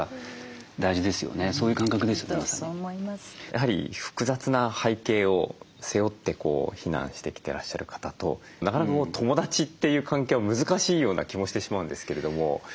やはり複雑な背景を背負って避難してきてらっしゃる方となかなか友達っていう関係は難しいような気もしてしまうんですけれども。